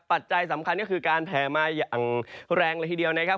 ปัจจัยสำคัญก็คือการแผ่มาอย่างแรงเลยทีเดียวนะครับ